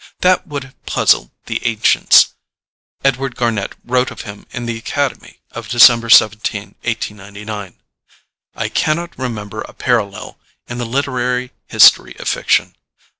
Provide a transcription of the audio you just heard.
That would have puzzled the ancients. Edward Garnett wrote of him in The Academy of December 17, 1899: "I cannot remember a parallel in the literary history of fiction.